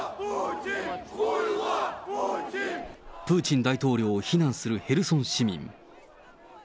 プーチン大統領を非難するヘルソン市民。